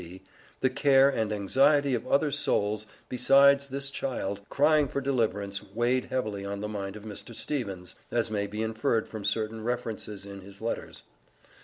B.," the care and anxiety of other souls, besides this child, crying for deliverance, weighed heavily on the mind of Mr. Stevens, as may be inferred from certain references in his letters.